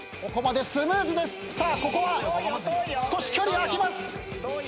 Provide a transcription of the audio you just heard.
ここは少し距離が空きます。